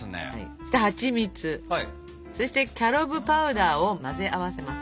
はちみつそしてキャロブパウダーを混ぜ合わせます。